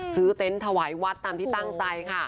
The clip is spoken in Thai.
เต็นต์ถวายวัดตามที่ตั้งใจค่ะ